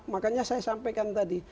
makanya saya sampaikan tadi